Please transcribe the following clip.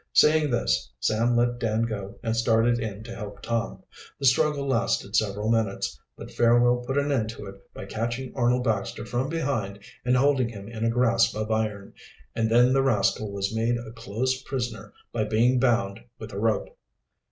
Seeing this, Sam let Dan go and started in to help Tom. The struggle lasted several minutes, but Fairwell put an end to it by catching Arnold Baxter from behind and holding him in a grasp of iron, and then the rascal was made a close prisoner by being bound with a rope.